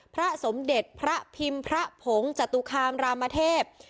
พระสมเด็จพระพิมพ์พระผงจตุคามรามเทพ